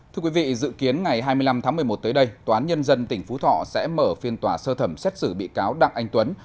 thưa quý vị dự kiến ngày hai mươi năm tháng một mươi một tới đây toán nhân dân tỉnh phú thọ sẽ mở phiên tòa sơ thẩm xét xử bị cáo đặng anh tuấn